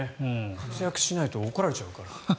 活躍しないと怒られちゃうから。